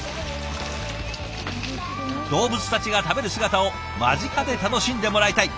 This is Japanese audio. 動物たちが食べる姿を間近で楽しんでもらいたい。